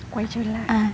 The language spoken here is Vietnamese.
quay trở lại